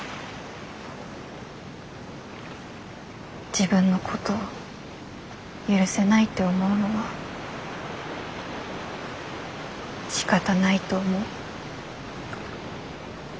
自分のことを許せないって思うのはしかたないと思う。